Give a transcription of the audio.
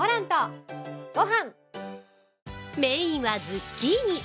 メインはズッキーニ。